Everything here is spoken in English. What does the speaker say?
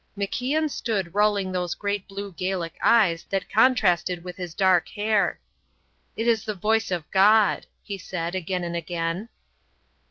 MacIan stood rolling those great blue Gaelic eyes that contrasted with his dark hair. "It is the voice of God," he said again and again.